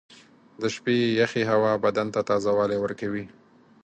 • د شپې یخې هوا بدن ته تازهوالی ورکوي.